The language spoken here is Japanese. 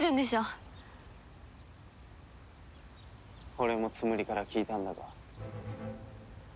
俺もツムリから聞いたんだが。